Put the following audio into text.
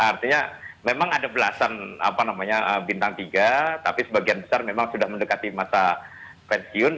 artinya memang ada belasan bintang tiga tapi sebagian besar memang sudah mendekati masa pensiun